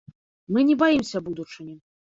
Мы не баімся будучыні.